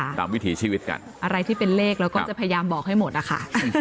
ตามวิถีชีวิตกันอะไรที่เป็นเลขเราก็จะพยายามบอกให้หมดนะคะ